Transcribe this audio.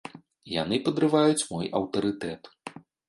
Яны падрываюць мой аўтарытэт.